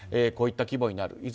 こういった規模になる。